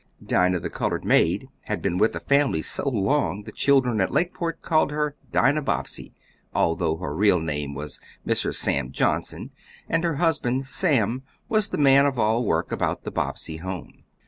Dinah, the colored maid, had been with the family so long the children at Lakeport called her Dinah Bobbsey, although her real name was Mrs. Sam Johnston, and her husband, Sam, was the man of all work about the Bobbsey home.